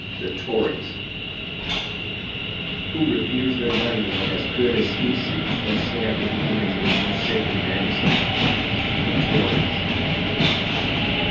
.The Tories ! Who refused their money when as good as specie, though stamped with the image of his most sacred Majesty ? The Tories